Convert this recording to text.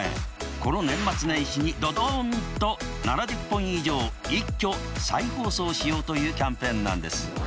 この年末年始にどどんと７０本以上一挙再放送しようというキャンペーンなんです。